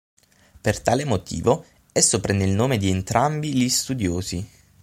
Per tale motivo esso prende il nome di entrambi gli studiosi.